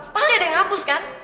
pasti ada yang hapus kan